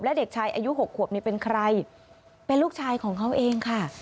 และเด็กชายอายุ๖ขวบนี่เป็นใครเป็นลูกชายของเขาเองค่ะ